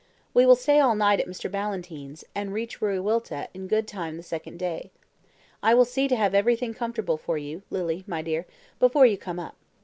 We will stay all night at Mr. Ballantyne's, and reach Wiriwilta in good time the second day. I will see to have everything comfortable for you, Lily, my dear, before you come up.